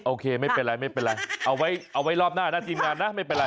โอเคไม่เป็นไรเอาไว้รอบหน้านะทีมงานนะ